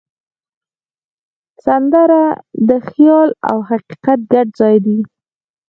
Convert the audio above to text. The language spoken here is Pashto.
سندره د خیال او حقیقت ګډ ځای دی